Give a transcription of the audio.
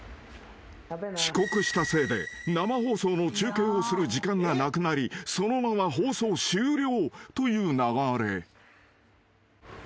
［遅刻したせいで生放送の中継をする時間がなくなりそのまま放送終了という流れ］